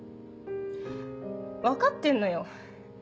分かってんのよ。